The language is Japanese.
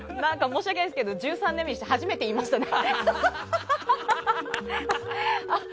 申し訳ないですが１３年目にして初めて言いましたね。